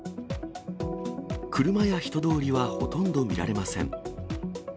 車や人通りはほとんど見られません。